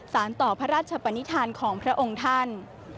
สารต่อพระราชปนิษฐานของพระองค์ท่าน